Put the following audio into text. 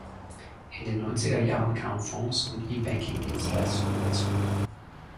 In den Neunzigerjahren kamen Fonds und E-Banking-Dienstleistungen dazu.